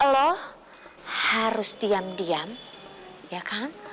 kalau harus diam diam ya kan